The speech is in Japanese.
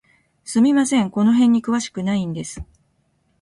すみません、この辺に詳しくないんです。